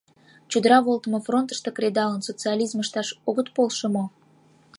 Чодыра волтымо фронтышто кредалын, социализм ышташ огыт полшо мо?